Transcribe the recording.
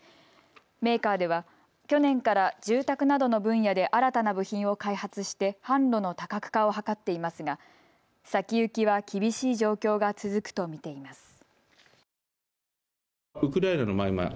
メーカーでは去年から住宅などの分野で新たな部品を開発して販路の多角化を図っていますが先行きは厳しい状況が続くと見ています。